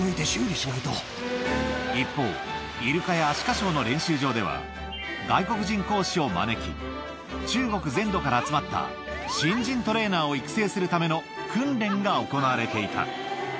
一方、イルカやアシカショーの練習場では、外国人講師を招き、中国全土から集まった新人トレーナーを育成するための訓練が行われていた。